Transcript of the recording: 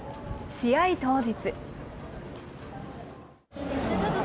試合当日。